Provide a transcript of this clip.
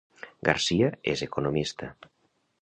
García és economista.